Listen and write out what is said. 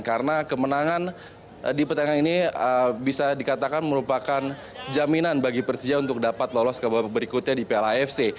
karena kemenangan di pertandingan ini bisa dikatakan merupakan jaminan bagi persija untuk dapat lolos ke piala berikutnya di piala afc